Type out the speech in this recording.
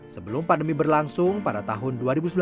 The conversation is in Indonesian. sebelum pandemi berlangsung pada tahun dua ribu sembilan belas